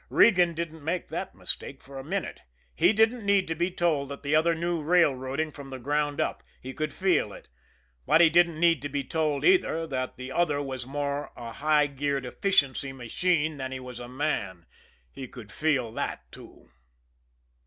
Regan didn't make that mistake for a minute. He didn't need to be told that the other knew railroading from the ground up, he could feel it; but he didn't need to be told, either, that the other was more a high geared efficiency machine than he was a man, he could feel that, too.